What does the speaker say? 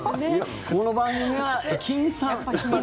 この番組は駅員さん。